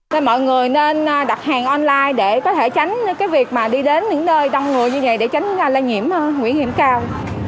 nên mọi người nên đặt hàng online để có thể tránh cái việc mà đi đến những nơi đông người như vậy để tránh nguy hiểm nguy hiểm cao